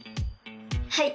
はい！